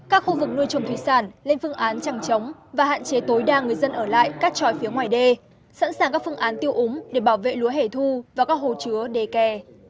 các khu vực nuôi trồng thủy sản lên phương án chẳng chống và hạn chế tối đa người dân ở lại các tròi phía ngoài đê sẵn sàng các phương án tiêu úng để bảo vệ lúa hẻ thu và các hồ chứa đề kè